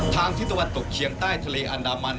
ทางทิศวรรษตกเคียงใต้ทะเลอันดามัน